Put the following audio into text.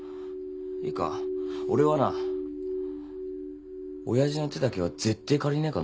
いいか俺はな親父の手だけは絶対借りねえかんな。